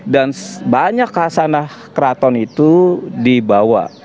dan banyak kasanah keraton itu dibawa